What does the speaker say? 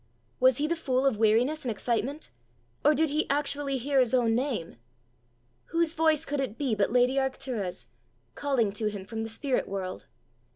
Was he the fool of weariness and excitement, or did he actually hear his own name? Whose voice could it be but lady Arctura's, calling to him from the spirit world!